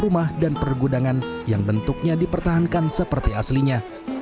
rumah dan pergudangan yang bentuknya dipertahankan seperti aslinya